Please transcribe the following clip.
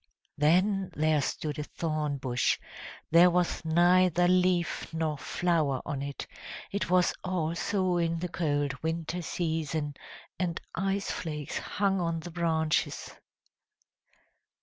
then there stood a thorn bush; there was neither leaf nor flower on it, it was also in the cold winter season, and ice flakes hung on the branches.